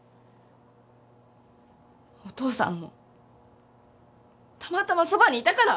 お父さんもたまたまそばにいたから？